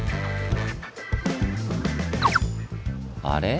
あれ？